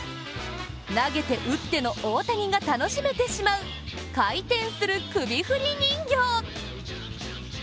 投げて打っての大谷が楽しめてしまう回転する首振り人形。